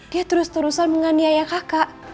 dia terus terusan menganiaya kakak